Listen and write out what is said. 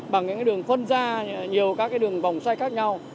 bằng những cái đường phân ra nhiều các cái đường vòng xoay khác nhau